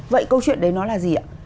vậy câu chuyện đấy nó là gì ạ